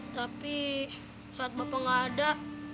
tapi saat bapak nggak ada